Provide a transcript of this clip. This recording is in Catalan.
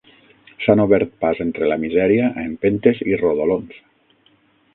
S'han obert pas entre la misèria a empentes i rodolons.